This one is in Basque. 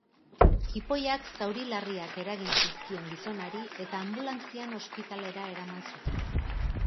Jipoiak zauri larriak eragin zizkion gizonari eta anbulantzian ospitalera eraman zuten.